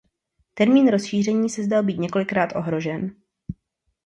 Termín rozšíření se zdál být několikrát ohrožen.